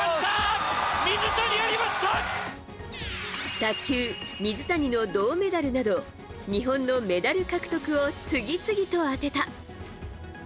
卓球、水谷の銅メダルなど日本のメダル獲得を次々と当てた。